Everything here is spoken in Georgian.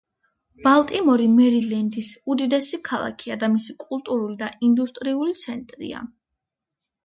ბალტიმორი მერილენდის უდიდესი ქალაქია და მისი კულტურული და ინდუსტრიული ცენტრია.